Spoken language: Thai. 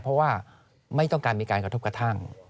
เพราะว่าไม่ต้องการมีการกระทบกระทั่ง